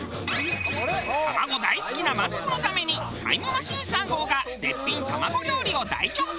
卵大好きなマツコのためにタイムマシーン３号が絶品卵料理を大調査！